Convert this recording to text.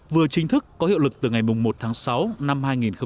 vừa chính thức có hiệu lực từ ngày một tháng sáu năm hai nghìn một mươi bảy